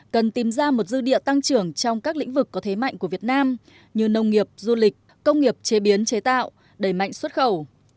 cần tìm ra một dư địa tăng trưởng trong các lĩnh vực có thế mạnh của việt nam như nông nghiệp du lịch công nghiệp chế biến chế tạo đẩy mạnh xuất khẩu